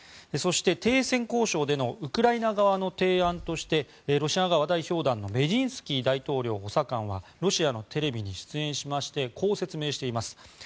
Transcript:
そして、停戦交渉でのウクライナ側の提案としてロシア側代表団のメジンスキー大統領補佐官はロシアのテレビに出演しましてこう説明しています。